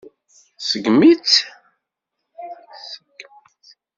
Tseggem-itt.